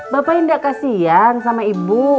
bapak indah kasian sama ibu